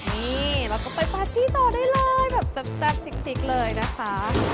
นี่แล้วก็ไปปาร์ตี้ต่อได้เลยแบบแซ่บจริงเลยนะคะ